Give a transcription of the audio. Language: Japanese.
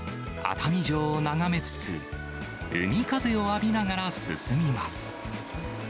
熱海城を眺めつつ、海風を浴びながら進みます。